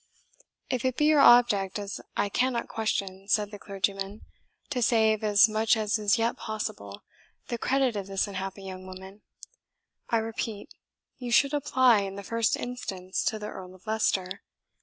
"If it be your object, as I cannot question," said the clergyman, "to save, as much as is yet possible, the credit of this unhappy young woman, I repeat, you should apply, in the first instance, to the Earl of Leicester.